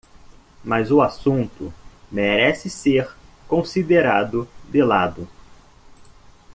Mas o assunto merece ser considerado de lado.